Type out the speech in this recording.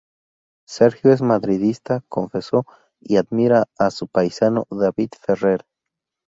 Sergio es madridista confeso y admira a su paisano David Ferrer.